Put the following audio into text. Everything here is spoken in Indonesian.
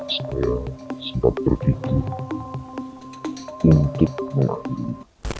saya sempat berkikir untuk melakukannya